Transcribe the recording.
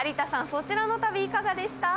そちらの旅いかがでした？